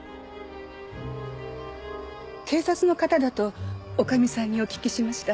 警察の方だと女将さんにお聞きしました。